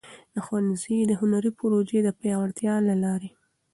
د ښونځي د هنري پروژو د پیاوړتیا له لارې.